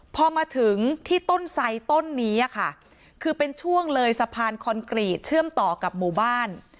พอมาถึงที่ต้นไซดต้นนี้ค่ะคือเป็นช่วงเลยสะพานคอนกรีตเชื่อมต่อกับหมู่บ้าน